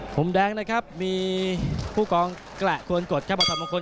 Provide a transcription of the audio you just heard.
หงุ่มแดงมีผู้กองแกละควนกฏบอทอดมงคล